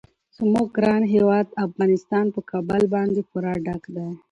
زموږ ګران هیواد افغانستان په کابل باندې پوره ډک دی.